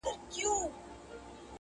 زموږ د شاهباز له شاهپرونو سره لوبي کوي.!